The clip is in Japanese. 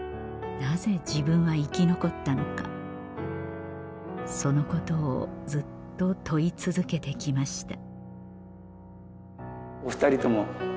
なぜ自分は生き残ったのかそのことをずっと問い続けて来ました